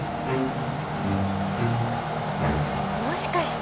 もしかして。